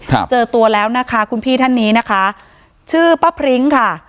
ครับเจอตัวแล้วนะคะคุณพี่ท่านนี้นะคะชื่อป้าพริ้งค่ะ